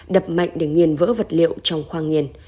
đập mạnh để nghiền vỡ vật liệu trong khoang nghiền